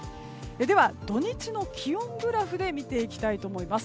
では、土日の気温グラフで見ていきたいと思います。